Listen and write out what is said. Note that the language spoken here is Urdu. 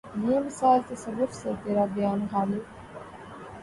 یہ مسائل تصوف یہ ترا بیان غالبؔ